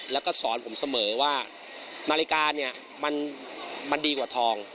แล้วก็สอนผมเสมอว่านาฬิกาเนี่ยมันดีกว่าทอง